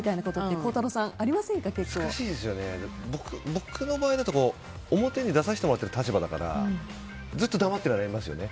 僕の場合だと表に出させてもらってる立場だからずっと黙ってられますよね。